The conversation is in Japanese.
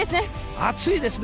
暑いですね。